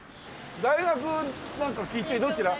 大学なんか聞いてどちら？